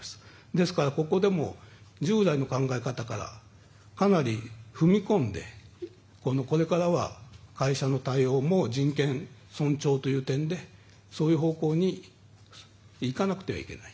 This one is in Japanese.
ですからここでも従来の考え方からかなり踏み込んでこれからは会社の対応も人権尊重という点でそういう方向に行かなくてはいけない。